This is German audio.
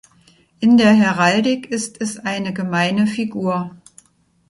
In der Heraldik ist es eine gemeine Figur.